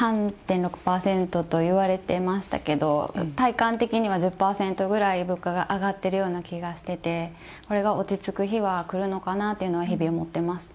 ３．６％と言われてましたけど体感的には１０％ぐらい物価が上がってるような気がしててこれが落ち着く日は来るのかなというのは日々思ってます。